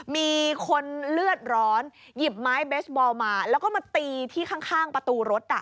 มีคนเลือดร้อนหยิบไม้เบสบอลมาแล้วก็มาตีที่ข้างประตูรถ